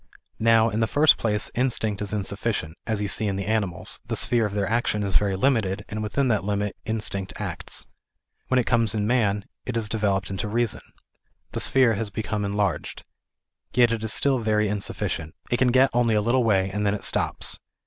Now in the first place instinct is insufficient ; as you see in the animals, the sphere of their action is very limited, and within that limit instinct acts. When it comes in man, it isaleveloped into reason. The sphere has become enlarged. Yet it is still very insuffi cient. It can get only a little way and then it stops.